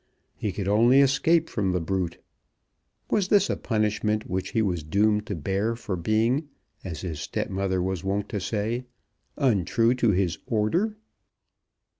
He could only escape from the brute. Was this a punishment which he was doomed to bear for being as his stepmother was wont to say untrue to his order?